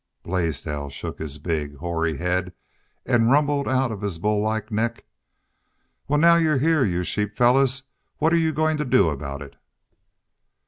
Blaisdell shook his big, hoary head and rumbled out of his bull like neck, "Wal, now you're heah, you sheep fellars, what are you goin' to do aboot it?"